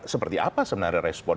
seperti apa sebenarnya respon